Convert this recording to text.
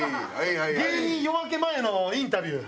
「芸人夜明け前」のインタビュー。